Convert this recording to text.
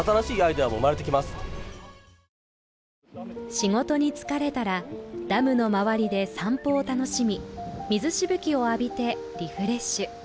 仕事に疲れたらダムの周りで散歩を楽しみ、水しぶきを浴びてリフレッシュ。